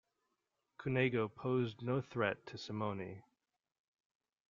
Cunego posed no threat to Simoni.